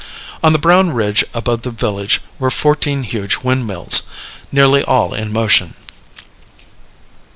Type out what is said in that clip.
On the brown ridge above the village were fourteen huge windmills, nearly all in motion.